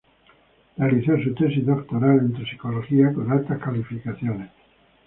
Realizó su tesis doctoral en Toxicología, con altas calificaciones.